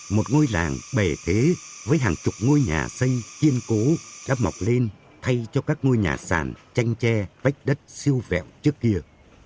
một ngôi làng bề thế với hàng chục ngôi nhà xây kiên cố đã mọc lên thay cho các ngôi nhà sàn tranh tre vách đất siêu vẹo trước kia